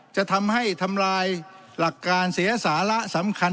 จะทำให้ทำลายหลักการเสียสาระสำคัญ